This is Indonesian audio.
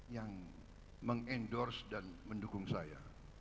yang meng endorse dan mendukung saya